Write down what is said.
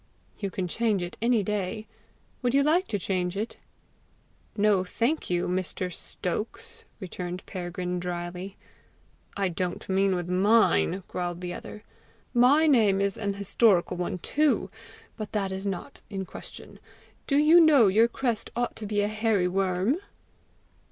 "You can change it any day. Would you like to change it?" "No, thank you, Mr. Stokes!" returned Peregrine dryly. "I didn't mean with mine," growled the other. "My name is an historical one too but that is not in question. Do you know your crest ought to be a hairy worm?"